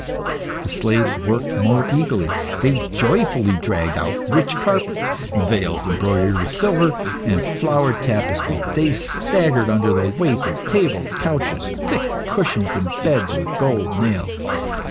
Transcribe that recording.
The slaves worked more eagerly; they joyfully dragged out rich carpets, veils embroidered with silver, and flowered tapestry. They staggered under the weight of tables, couches, thick cushions, and beds with gold nails.